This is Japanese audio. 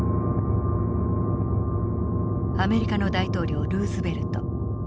アメリカの大統領ルーズベルト。